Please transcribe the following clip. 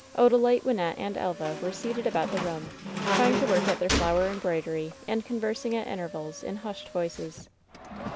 Odalite, Wynnette and Elva were seated about the room, trying to work at their flower embroidery and con versing at intervals in hushed voices.